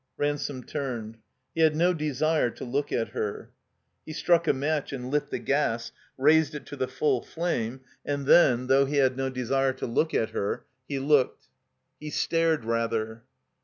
Ransome turned. He had no desire to look at her. He struck a match and lit the gas, raised it to the full flame, and then, though he had no desire to look at her, he looked. He stared rather.